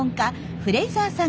フレイザーさん